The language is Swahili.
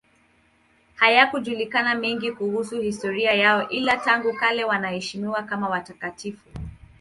Hayajulikani mengine kuhusu historia yao, ila tangu kale wanaheshimiwa kama watakatifu.